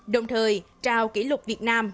đồng thời trao kỷ lục việt nam